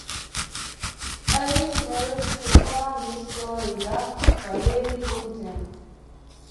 Ely is married to former Miss Florida, Valerie Lundeen.